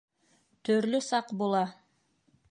Төрлө саҡ була.